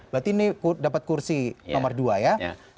berarti ini dapat kursi nomor dua ya